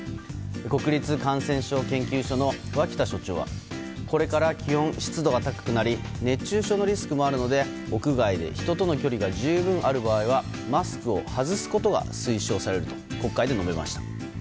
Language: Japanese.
国立感染症研究所の脇田所長はこれから気温・湿度が高くなり熱中症のリスクもあるので屋外で人との距離が十分ある場合はマスクを外すことが推奨されると国会で述べました。